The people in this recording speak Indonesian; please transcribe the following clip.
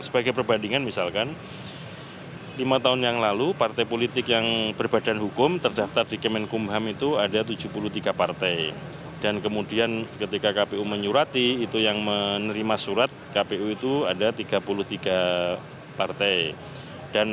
sebagai perbandingan misalkan lima tahun yang lalu partai politik yang berbadan hukum terdaftar di kemenkumham itu ada tujuh puluh tiga partai dan kemudian ketika kpu menyurati itu yang menerima surat kpu itu ada tiga puluh tiga partai dan